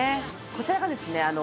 こちらがですね